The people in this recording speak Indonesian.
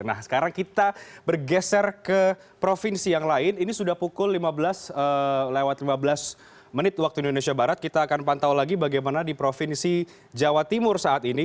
nah sekarang kita bergeser ke provinsi yang lain ini sudah pukul lima belas lewat lima belas menit waktu indonesia barat kita akan pantau lagi bagaimana di provinsi jawa timur saat ini